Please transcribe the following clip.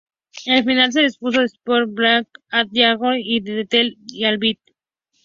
La final se disputó en el Sports Palace at Yad Eliyahu de Tel Aviv.